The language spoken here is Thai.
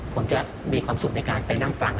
ผมจะมีความสุขในการไปนั่งฟัง